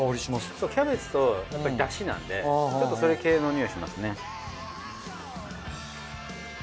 そうキャベツとやっぱりだしなんでちょっとそれ系のにおいしますね。